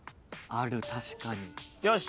ある確かに。